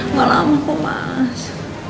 nggak lama kok mas